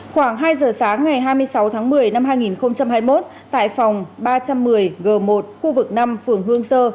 khoảng hai giờ sáng ngày hai mươi sáu tháng một mươi năm hai nghìn hai mươi một tại phòng ba trăm một mươi g một khu vực năm phường hương sơ